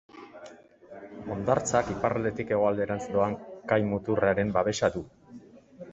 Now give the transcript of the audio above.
Hondartzak iparraldetik hegoalderantz doan kai-muturraren babesa du.